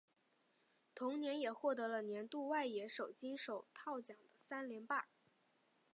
同年也获得了年度外野手金手套奖的三连霸。